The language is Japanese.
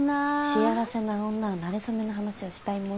幸せな女はなれ初めの話をしたいものなの。